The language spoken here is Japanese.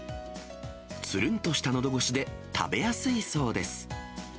つるんとしたのどごしで食べやすいそうです。